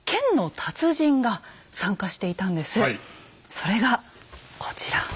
それがこちら。